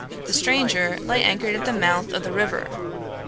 The stranger lay anchored at the mouth of the river.